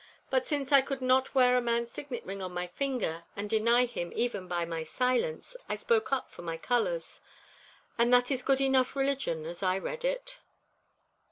But since I could not wear a man's signet ring on my finger and deny him even by my silence, I spoke up for my colours. And that is good enough religion, as I read it.